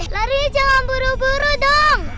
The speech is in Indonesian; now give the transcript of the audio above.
lari jangan buru buru dong